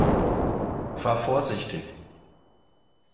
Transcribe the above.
Fahr vorsichtig!